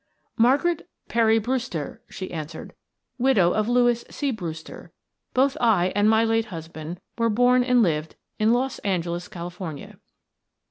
"Margaret Perry Brewster," she answered. "Widow of Louis C. Brewster. Both I and my late husband were born and lived in Los Angeles, California."